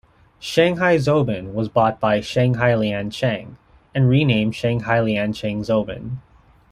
Shanghai Zobon was bought by Shanghai Liancheng and renamed Shanghai Liancheng Zobon.